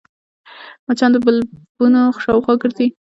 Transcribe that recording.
مچان د بلبونو شاوخوا ګرځي